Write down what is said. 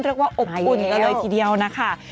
เรียกว่าอบอุ่นกันเลยทีเดียวนะคะ